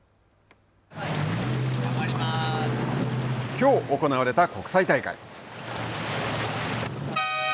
きょう行われた国際大会。